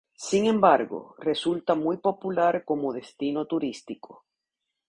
Sin embargo, resulta muy popular como destino turístico.